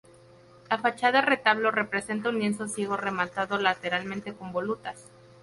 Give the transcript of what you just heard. La fachada retablo presenta un lienzo ciego rematado lateralmente con volutas.